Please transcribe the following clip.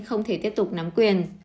không thể tiếp tục nắm quyền